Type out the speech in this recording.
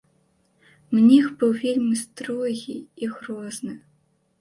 Мніх быў вельмі строгі і грозны.